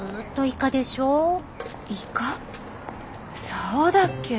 そうだっけ？